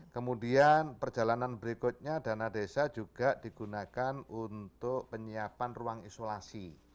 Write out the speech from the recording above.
kemudian perjalanan berikutnya dana desa juga digunakan untuk penyiapan ruang isolasi